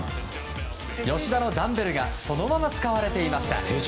吉田のダンベルがそのまま使われていました。